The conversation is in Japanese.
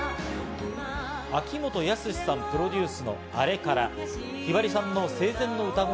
秋元康さんプロデュースの『あれから』。